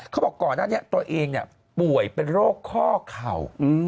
เขาบอกก่อนนั่นตัวเองป่วยเป็นโรคข้อเข่า